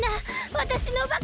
わたしのバカ！